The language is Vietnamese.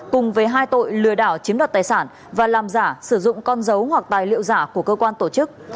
cùng với hai tội lừa đảo chiếm đoạt tài sản và làm giả sử dụng con dấu hoặc tài liệu giả của cơ quan tổ chức